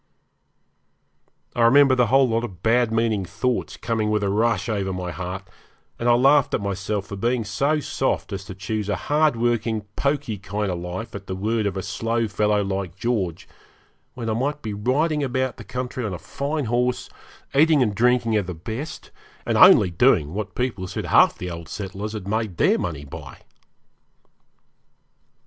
I remember the whole lot of bad meaning thoughts coming with a rush over my heart, and I laughed at myself for being so soft as to choose a hard working, pokey kind of life at the word of a slow fellow like George, when I might be riding about the country on a fine horse, eating and drinking of the best, and only doing what people said half the old settlers had made their money by.